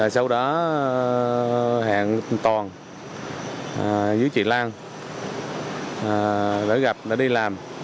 sau đó hẹn toàn với chị lan để gặp để đi làm